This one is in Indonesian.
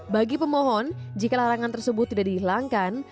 bagi pemohon jika larangan tersebut tidak dihilangkan